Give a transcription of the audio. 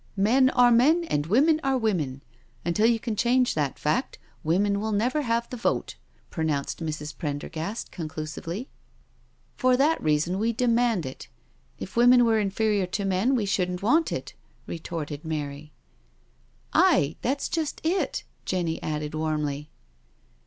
'* Men are men and women are women. Until you can change that fact women will never have the vote,*^ pronounced Mrs. Prendergast conclusively. " For that reason we demand it. If women were inferior to men we shouldn't want it," retorted Mary. '• Aye, that's just it," Jenny added warmly.